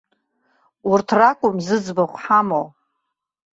Урҭ ракәым зыӡбахә ҳамоу.